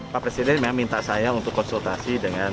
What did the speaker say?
pak presiden memang minta saya untuk konsultasi dengan